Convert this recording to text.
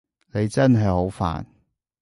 你真係好煩